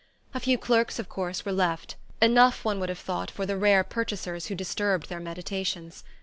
A few clerks, of course, were left: enough, one would have thought, for the rare purchasers who disturbed their meditations.